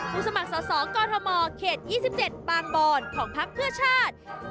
สมัครสอสอกอทมเขต๒๗บางบอนของพักเพื่อชาติ